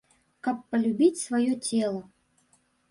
Каб палюбіць сваё цела.